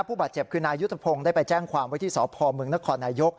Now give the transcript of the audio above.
ผู้บาดเจ็บคือนายุทธพงศ์ได้ไปแจ้งความว่าที่สพมนน